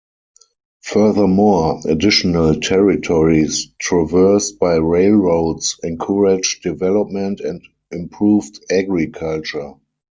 Furthermore, additional territories traversed by rail-roads encouraged development and improved agriculture.